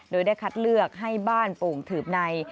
โดยได้คัดเลือกให้บ้านโป่งถืบใน